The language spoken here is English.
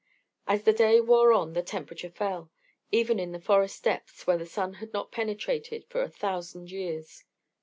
As the day wore on the temperature fell, even in those forest depths where the sun had not penetrated for a thousand years.